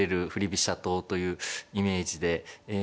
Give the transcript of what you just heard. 飛車党というイメージでええ